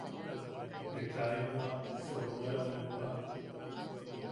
Ne kaa im joʼak, Sonorau ne joʼak.